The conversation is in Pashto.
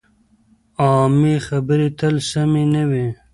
عامې خبرې تل سمې نه وي.